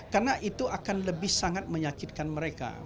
karena itu akan lebih sangat menyakitkan mereka